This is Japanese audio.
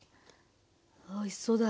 あおいしそうだ。